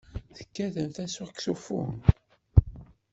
Tekkatemt asaksufun?